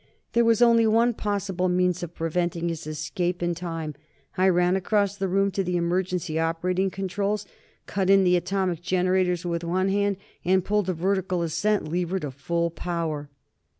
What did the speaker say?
There was only one possible means of preventing his escape in time. I ran across the room to the emergency operating controls, cut in the atomic generators with one hand and pulled the Vertical Ascent lever to Full Power.